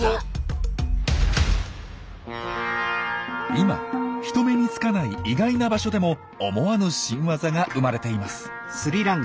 今人目につかない意外な場所でも思わぬ新ワザが生まれています。